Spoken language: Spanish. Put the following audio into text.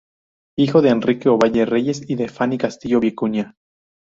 Hijo de Enrique Ovalle Reyes y de Fanny Castillo Vicuña.